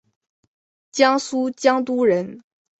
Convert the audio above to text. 江苏江都人。